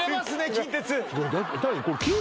近鉄